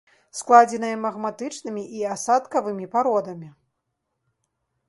Складзеныя магматычнымі і асадкавымі пародамі.